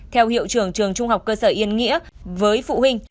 theo hiệu trưởng trường trung học cơ sở yên nghĩa với phụ huynh